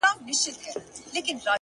د ښویېدلي سړي لوري د هُدا لوري،